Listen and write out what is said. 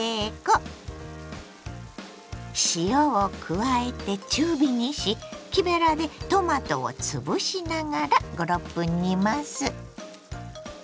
加えて中火にし木べらでトマトをつぶしながら５６分煮ます。